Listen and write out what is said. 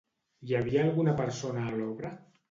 Hi havia alguna persona a l'obra?